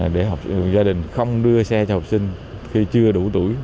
để gia đình không đưa xe cho học sinh khi chưa đủ tuổi